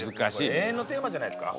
永遠のテーマじゃないですか。